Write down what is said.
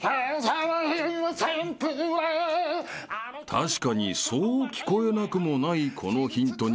［確かにそう聞こえなくもないこのヒントに］